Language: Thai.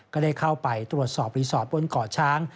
ก็ได้เข้าไปตรวจสอบรีสอร์ทบนเกาะช้าง